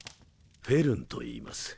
フェルンといいます。